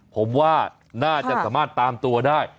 ผมว่าน่าจะสามารถตามตัวได้